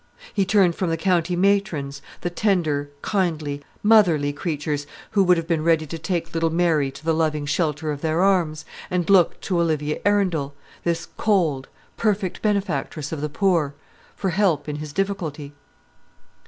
He turned from the county matrons, the tender, kindly, motherly creatures, who would have been ready to take little Mary to the loving shelter of their arms, and looked to Olivia Arundel this cold, perfect benefactress of the poor for help in his difficulty.